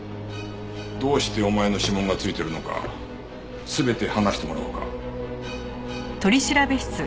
どうしてお前の指紋が付いてるのか全て話してもらおうか。